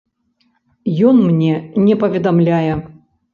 Ён мне не паведамляе.